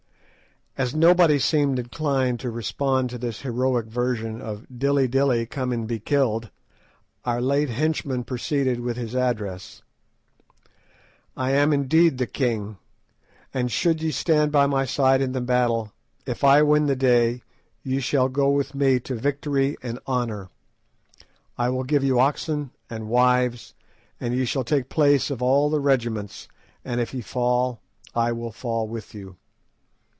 As nobody seemed inclined to respond to this heroic version of "Dilly, Dilly, come and be killed," our late henchman proceeded with his address. "I am indeed the king, and should ye stand by my side in the battle, if I win the day ye shall go with me to victory and honour. I will give you oxen and wives, and ye shall take place of all the regiments; and if ye fall, I will fall with you.